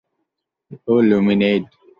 O Lumin eight.